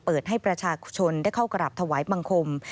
เปิดให้ประชาชนได้เข้ากราบถวายบังคม